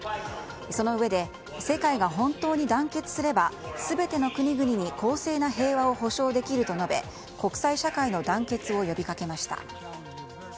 そのうえで世界が本当に団結すれば全ての国々に公正な平和を保証できると述べ国際社会の団結を呼びかけました。